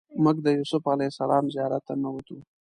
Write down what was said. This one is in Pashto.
موږ د یوسف علیه السلام زیارت ته ننوتو.